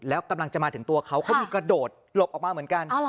แล้วกำลังจะมาถึงตัวเขาเขามีกระโดดหลบออกมาเหมือนกัน